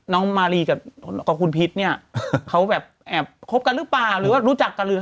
น้องมาลีกับคุณพีชเนี่ยเขาแบบแอบคบกันรึป่าหาหรือว่ารู้จักกันลึก